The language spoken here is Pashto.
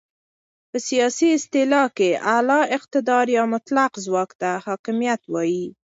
په سیاسي اصطلاح کې اعلی اقتدار یا مطلق ځواک ته حاکمیت وایې.